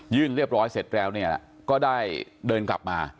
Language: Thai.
เรียบร้อยเสร็จแล้วเนี่ยก็ได้เดินกลับมา